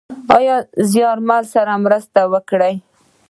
له زیارمل سره مرسته وکړﺉ .